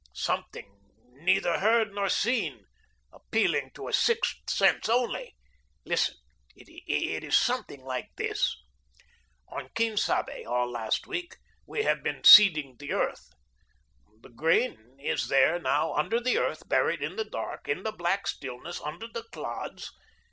Something neither heard nor seen, appealing to a sixth sense only. Listen, it is something like this: On Quien Sabe, all last week, we have been seeding the earth. The grain is there now under the earth buried in the dark, in the black stillness, under the clods.